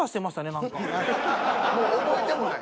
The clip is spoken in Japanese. もう覚えてもない。